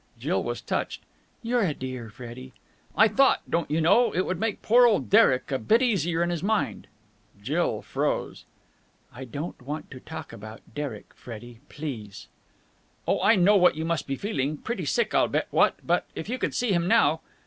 Jill was touched. "You're a dear, Freddie!" "I thought, don't you know, it would make poor old Derek a bit easier in his mind." Jill froze. "I don't want to talk about Derek, Freddie, please." "Oh, I know what you must be feeling. Pretty sick, I'll bet, what? But if you could see him now...."